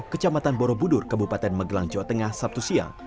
kecamatan borobudur kebupaten megelang jawa tengah sabtu siang